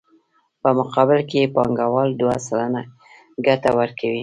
په مقابل کې یې بانکوال دوه سلنه ګټه ورکوي